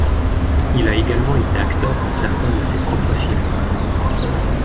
Il a également été acteur dans certains de ses propres films.